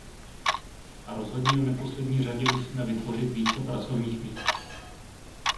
A rozhodně v neposlední řadě musíme vytvořit více pracovních míst.